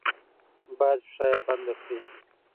با ید پښه یې بنده کړي.